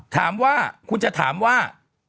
ถามว่าคุณจะถามว่า